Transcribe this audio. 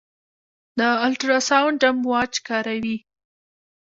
د الټراساونډ امواج کاروي.